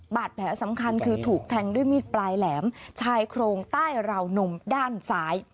บาดแผลสำคัญคือถูกแทงด้วยมีดปลายแหลมชายโครงใต้ราวนมด้านซ้าย